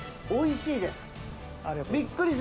おいしいです。